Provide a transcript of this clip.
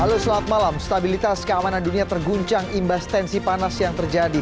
halo selamat malam stabilitas keamanan dunia terguncang imbas tensi panas yang terjadi